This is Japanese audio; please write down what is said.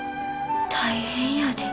大変やで。